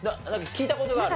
聞いた事がある？